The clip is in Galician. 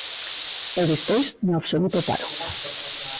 E despois, no absoluto paro.